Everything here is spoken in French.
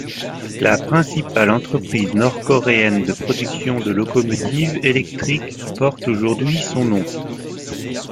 La principale entreprise nord-coréenne de productions de locomotives électriques porte aujourd'hui son nom.